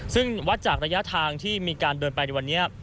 ซึ่งวัดจากระยะทางที่มีการเดินไปในวันนี้